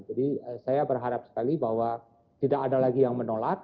jadi saya berharap sekali bahwa tidak ada lagi yang menolak